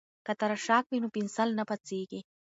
که تراشک وي نو پنسل نه پڅیږي.